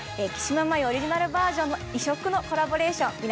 木嶋真優オリジナルバージョンの異色のコラボレーション。